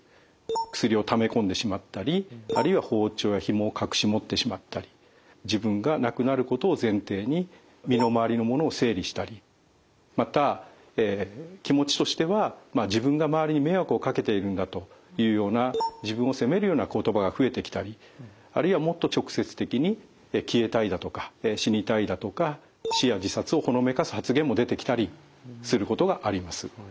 薬をためこんでしまったりあるいは包丁やひもを隠し持ってしまったり自分が亡くなることを前提に身の回りのものを整理したりまた気持ちとしては「自分が周りに迷惑をかけているんだ」というような自分を責めるような言葉が増えてきたりあるいはもっと直接的に「消えたい」だとか「死にたい」だとか死や自殺をほのめかす発言も出てきたりすることがあります。